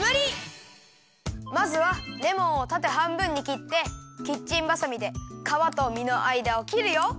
まずはレモンをたてはんぶんにきってキッチンばさみでかわとみのあいだをきるよ。